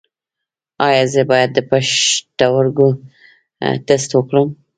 ایا زه باید د پښتورګو ټسټ وکړم؟